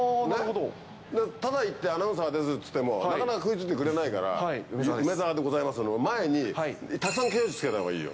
ただ行って、アナウンサーですっていっても、なかなか食いついてくれないから、梅澤でございますの前に、たくさん形容詞つけたほうがいいよ。